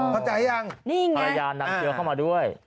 อ๋อภรรยานำเจอเข้ามาด้วย